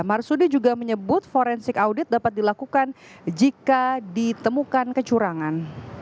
marsudi juga menyebut forensik audit dapat dilakukan jika ditemukan kecurangan